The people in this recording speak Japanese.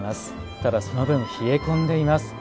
ただ、その分、冷え込んでいます。